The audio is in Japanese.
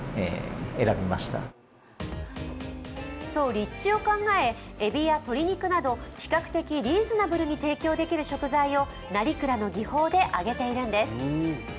立地を考ええびや鶏肉など比較的リーズナブルに提供できる食材を成蔵の技法で揚げているんです。